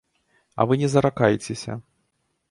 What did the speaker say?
А вы не заракайцеся.